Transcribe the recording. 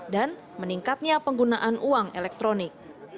dan meningkatnya penggunaan uang elektronik